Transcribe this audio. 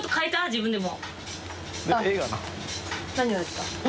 自分でも。